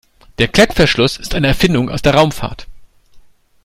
Der Klettverschluss ist eine Erfindung aus der Raumfahrt.